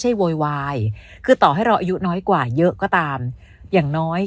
โวยวายคือต่อให้เราอายุน้อยกว่าเยอะก็ตามอย่างน้อย